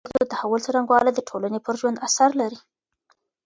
د کلتور د تحول څرنګوالی د ټولني پر ژوند اثر لري.